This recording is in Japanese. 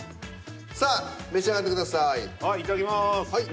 さあ召し上がってください。